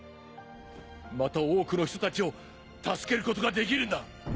また多くの人たちを助けることができるんだ！